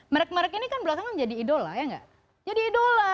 merk merk ini kan belakangan jadi idola ya nggak